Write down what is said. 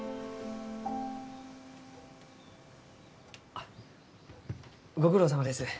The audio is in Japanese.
あっご苦労さまです。